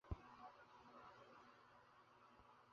এই কথা মনে করিয়া মহেন্দ্রের ধৈর্যরক্ষা করা একেবারে অসম্ভব হইয়া উঠিল।